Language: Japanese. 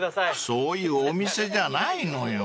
［そういうお店じゃないのよ］